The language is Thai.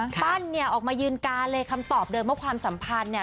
ปั้นเนี่ยออกมายืนกาเลยคำตอบเดิมว่าความสัมพันธ์เนี่ย